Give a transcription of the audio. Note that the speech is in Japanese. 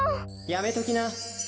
やめときな。